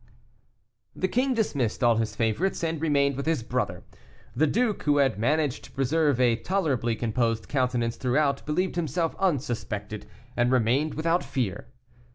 The king dismissed all his favorites, and remained with his brother. The duke, who had managed to preserve a tolerably composed countenance throughout, believed himself unsuspected, and remained without fear.